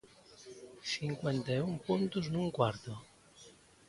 Cincuenta e un puntos nun cuarto.